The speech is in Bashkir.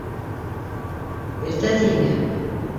— Иртә, ти, һиңә